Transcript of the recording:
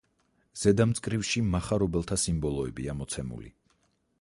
ზედა მწკრივში მახარობელთა სიმბოლოებია მოცემული.